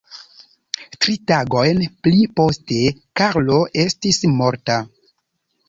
Tri tagojn pli poste Karlo estis morta.